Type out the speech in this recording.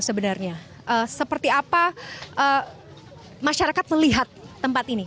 sebenarnya seperti apa masyarakat melihat tempat ini